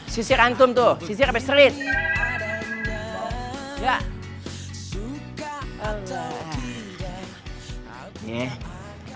sisir antum tuh sisir sampai serit